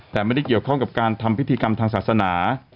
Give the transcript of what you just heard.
แต่ไม่ได้เกี่ยวข้องกับการทำพิธีกรรมทางศาสนา